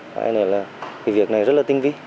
nên là cái việc này rất là tinh vi